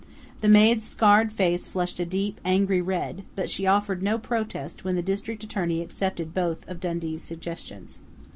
The maid's scarred face flushed a deep, angry red, but she offered no protest when the district attorney accepted both of Dundee's suggestions.